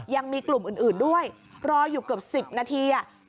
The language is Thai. ยังมีกลุ่มอื่นด้วยรออยู่เกือบ๑๐นาที